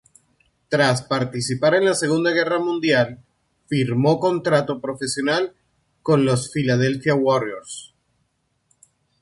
Tras participar en la Segunda Guerra Mundial, firmó contrato profesional con los Philadelphia Warriors.